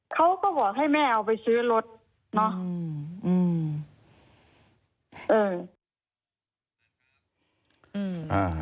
เขาก็บอกให้แม่เอาไปซื้อรถเนาะ